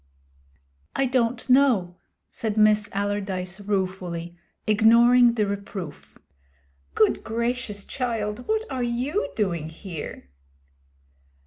'I don't know,' said Miss Allardyce ruefully, ignoring the reproof. 'Good gracious, child, what are you doing here?'